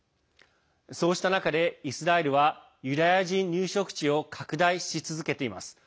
そうした中で、イスラエルはユダヤ人入植地を拡大し続けています。